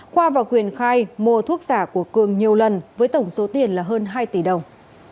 khoa và quyền khai mua thuốc giả của cường nhiều lần với tổng số tiền là hơn hai tỷ đồng